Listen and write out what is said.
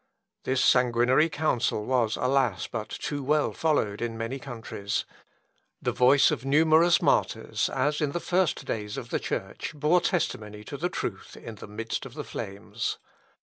This sanguinary counsel was, alas! but too well followed in many countries; the voice of numerous martyrs, as in the first days of the Church, bore testimony to the truth in the midst of the flames.